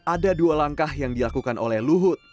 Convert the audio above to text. ada dua langkah yang dilakukan oleh luhut